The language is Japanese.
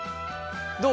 どう？